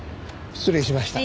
失礼しました。